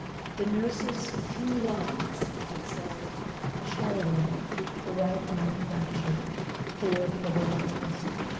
The nurse's few lines had said: "A shell wound: the right arm fractured, fear for the lungs."